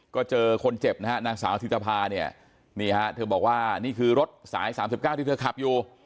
ก็เจอคนเจ็บนะฮะนางสาวธิตภาเนี่ยนี่ฮะเธอบอกว่านี่คือรถสาย๓๙ที่เธอขับอยู่